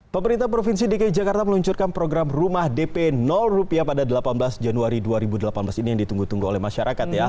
pemerintah provinsi dki jakarta meluncurkan program rumah dp rupiah pada delapan belas januari dua ribu delapan belas ini yang ditunggu tunggu oleh masyarakat ya